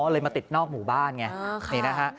เลยมาติดนอกหมู่บ้านไงนี่นะฮะ